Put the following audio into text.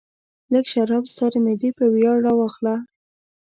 لږ شراب ستا د معدې په ویاړ راواخله.